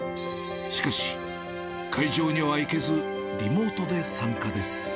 しかし、会場には行けず、リモートで参加です。